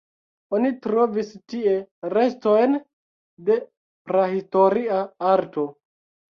Oni trovis tie restojn de prahistoria arto.